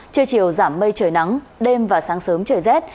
trưa chiều giảm mây trời nắng đêm và sáng sớm trời rét